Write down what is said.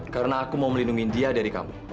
karena aku mau melindungi dia dari kamu